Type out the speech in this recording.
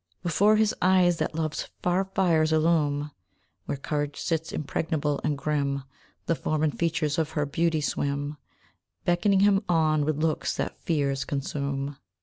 Before his eyes that love's far fires illume Where courage sits, impregnable and grim The form and features of her beauty swim, Beckoning him on with looks that fears consume.